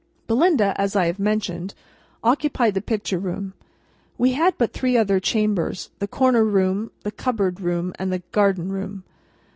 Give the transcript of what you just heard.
Belinda, as I have mentioned, occupied the Picture Room. We had but three other chambers: the Corner Room, the Cupboard Room, and the Garden Room.